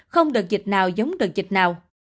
không đợt dịch nào giống đợt dịch nào